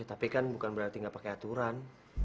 tapi kan bukan berarti nggak pakai aturan